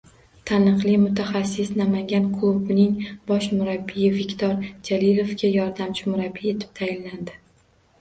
Taniqli mutaxassis Namangan klubining bosh murabbiyi Viktor Jalilovga yordamchi murabbiy etib tayinlandi.